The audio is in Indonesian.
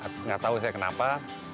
tidak tahu saya kenapa